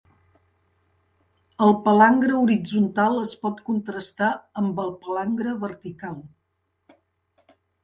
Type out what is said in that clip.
El palangre horitzontal es pot contrastar amb el palangre vertical.